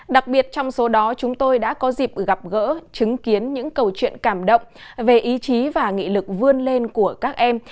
đặc biệt trong số đó chúng tôi đã có dịp gặp gỡ chứng kiến những câu chuyện cảm động về ý chí và nghị lực vươn lên của các em